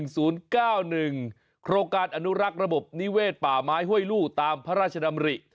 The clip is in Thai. โครงการอนุรักษ์ระบบนิเวศป่าไม้ห้วยลู่ตามพระราชดำริ